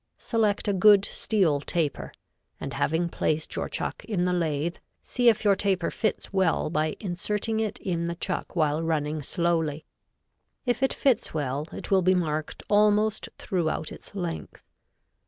Select a good steel taper, and having placed your chuck in the lathe, see if your taper fits well by inserting it in the chuck while running slowly. If it fits well, it will be marked almost throughout its length.